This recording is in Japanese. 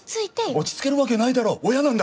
落ち着けるわけないだろ親なんだから。